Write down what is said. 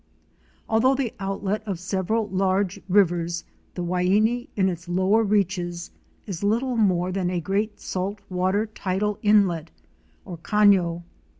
Although the outlet of several large rivers, the Waini, in its lower reaches, is little more than a great salt water tidal inlet, or cafio.